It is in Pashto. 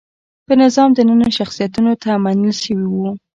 په نظام دننه شخصیتونو ته منل شوي وو.